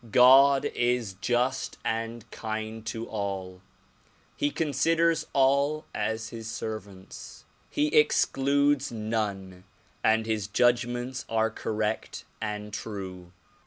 God is just and kind to all. He con siders all as his servants. He excludes none and his judgments are correct and true.